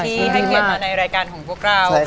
ที่ให้เข้ามาในรายการของพวกเรา